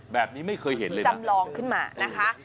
แบบนี้ไม่เคยเห็นเลยจำลองขึ้นมานะคะ